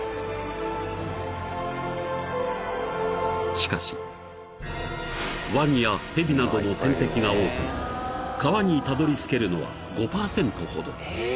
［しかしワニやヘビなどの天敵が多く川にたどりつけるのは５％ほど］